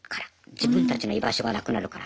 自分たちの居場所がなくなるから。